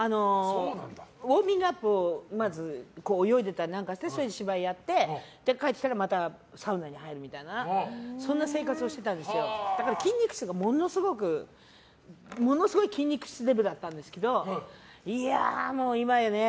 ウォーミングアップを泳いでたりして、芝居やって帰ってきたらまたサウナに入るみたいなそんな生活をしてたんですけどものすごい筋肉質デブだったんですけどいやあ、もう、いまやね。